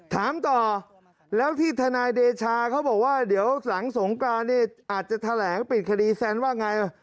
ถามต่อแล้วที่ทนายเดชาเขาบอกว่าเดี๋ยวหลังสงกรานเนี่ยอาจจะแถลงปิดคดีแซนว่าไง